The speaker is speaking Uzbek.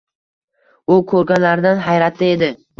U koʻrganlaridan hayratda edi